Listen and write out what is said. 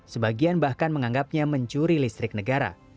sebagian bahkan menganggapnya mencuri listrik negara